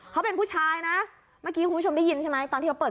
เขาเป็นผู้ชายนะเมื่อกี้คุณผู้ชมได้ยินใช่ไหมตอนที่เขาเปิด